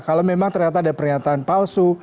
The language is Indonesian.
kalau memang ternyata ada pernyataan palsu